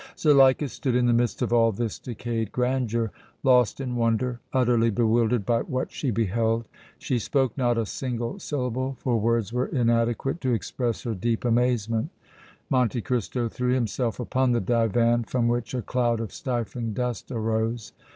Zuleika stood in the midst of all this decayed grandeur, lost in wonder, utterly bewildered by what she beheld. She spoke not a single syllable, for words were inadequate to express her deep amazement. Monte Cristo threw himself upon the divan from which a cloud of stifling dust arose.